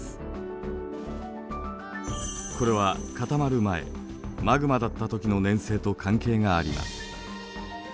これは固まる前マグマだったときの粘性と関係があります。